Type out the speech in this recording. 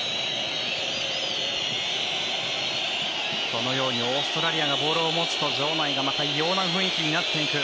このようにオーストラリアがボールを持つと場内がまた異様な雰囲気になっていく。